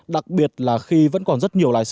đặc biệt là khi vẫn còn rất nhiều khúc cua